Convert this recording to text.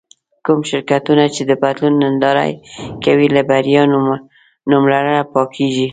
کوم شرکتونه چې د بدلون ننداره کوي له بريا نوملړه پاکېږي.